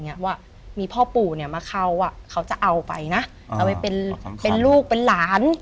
ว่ามีพ่อปู่เนี่ยมาเข้าอ่ะเขาจะเอาไปนะเอาไปเป็นเป็นลูกเป็นหลาน